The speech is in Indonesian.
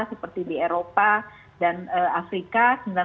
seperti di eropa dan afrika